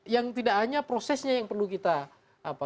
yang tidak hanya prosesnya yang perlu kita apa